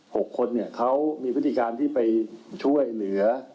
๖คนเนี่ยเขามีพฤติการที่ไปช่วยเหลือ